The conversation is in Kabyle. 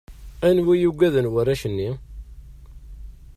Anwa i ugaden warrac-nni?